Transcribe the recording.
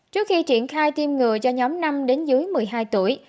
trước khi triển khai tiêm ngừa cho nhóm năm đến dưới một mươi hai tuổi